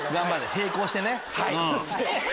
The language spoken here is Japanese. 並行してね。